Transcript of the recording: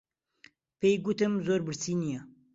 پێی گوتم زۆر برسی نییە.